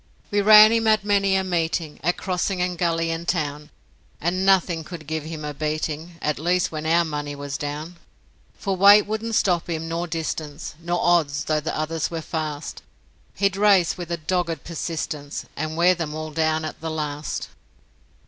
We ran him at many a meeting At crossing and gully and town, And nothing could give him a beating At least when our money was down. For weight wouldn't stop him, nor distance, Nor odds, though the others were fast, He'd race with a dogged persistence, And wear them all down at the last.